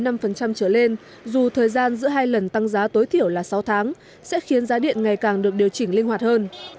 từ ba đến năm trở lên dù thời gian giữa hai lần tăng giá tối thiểu là sáu tháng sẽ khiến giá điện ngày càng được điều chỉnh linh hoạt hơn